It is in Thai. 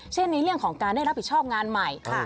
เช่นในเรื่องของการได้รับผิดชอบงานใหม่